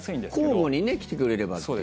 交互に来てくれればという。